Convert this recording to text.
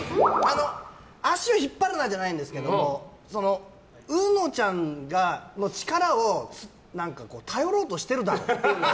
足を引っ張るなではないんですけどうのちゃんの力を頼ろうとしてるだろって。